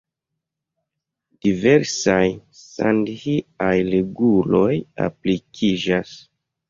Diversaj sandhi-aj reguloj aplikiĝas.